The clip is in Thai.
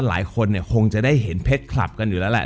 หลายคนเนี่ยคงจะได้เห็นเพชรคลับกันอยู่แล้วแหละ